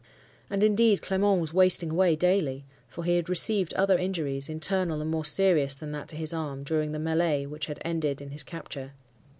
And, indeed, Clement was wasting away daily; for he had received other injuries, internal and more serious than that to his arm, during the melee which had ended in his capture.